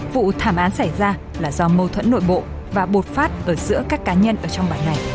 vụ thảm án xảy ra là do mâu thuẫn nội bộ và bột phát ở giữa các cá nhân ở trong bàn này